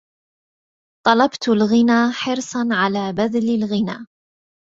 طلبت الغنى حرصا على بذلي الغنى